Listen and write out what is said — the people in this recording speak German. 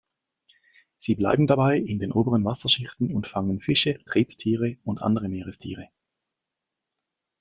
Sie bleiben dabei in den oberen Wasserschichten und fangen Fische, Krebstiere und andere Meerestiere.